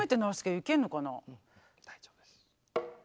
大丈夫です。